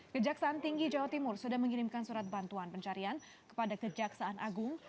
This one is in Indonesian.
kejaksaan tinggi jawa timur sudah mengirimkan surat bantuan pencarian kepada kejaksaan agung